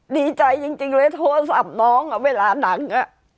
ดีใจจริงเลยโทรศัพท์น้องเวลาหนัง